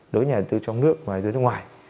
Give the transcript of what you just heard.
đối với nhà đầu tư trong nước và nhà đầu tư nước ngoài